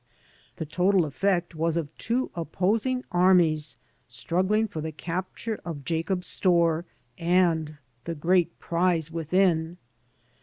The total effect was of two opposing armies struggling for the capture of Jacob's store and the great prize within.